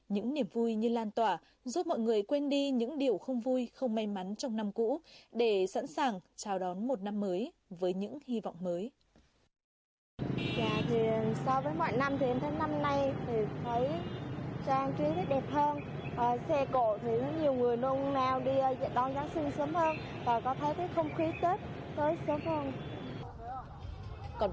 những niềm vui như lan tỏa giúp mọi người quên đi những điều không vui không may mắn trong năm cũ để sẵn sàng chào đón một năm mới với những hy vọng mới